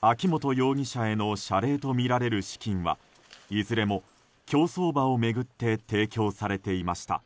秋本容疑者への謝礼とみられる資金はいずれも競走馬を巡って提供されていました。